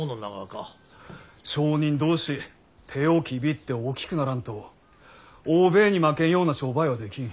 商人同士手をきびって大きくならんと欧米に負けんような商売はできん。